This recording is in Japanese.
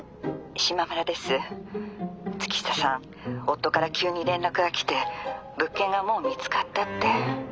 夫から急に連絡が来て物件がもう見つかったって。